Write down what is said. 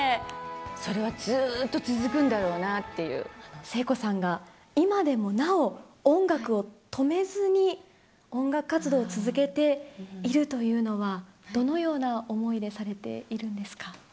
それはずっと続くんだろうなって聖子さんが今でもなお、音楽を止めずに、音楽活動を続けているというのは、どのような思いでされているんですか。